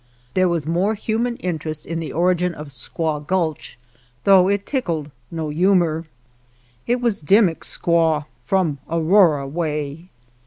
There was more human interest in the origin of Squaw Gulch, though it tickled no humor. It was Dimmick's squaw from Aurora way.